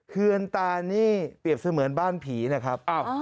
เลือนตานี่เปรียบเสมือนบ้านผีนะครับ